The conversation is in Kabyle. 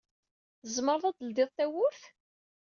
Tzemred ad d-tledyed tawwurt?